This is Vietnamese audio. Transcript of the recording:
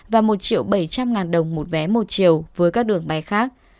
và một bảy trăm linh ngàn đồng một vé một chiều với các đường bay khác